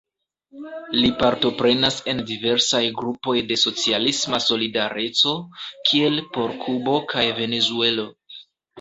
Li partoprenas en diversaj grupoj de "socialisma solidareco", kiel por Kubo kaj Venezuelo.